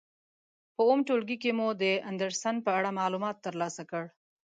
په اووم ټولګي کې مو د اندرسن په اړه معلومات تر لاسه کړل.